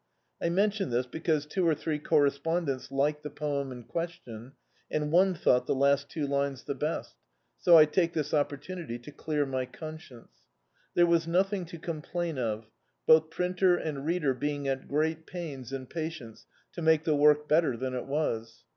I mention this because two or three correspondents liked the poem in question, and one thou^t the last two lines the best; so, I take this opportunity to clear my ccnscience. There was nothing to complain of, both printer and reader being at great pains and patience to make the work better than it was.